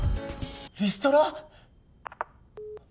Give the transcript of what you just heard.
リストラ！？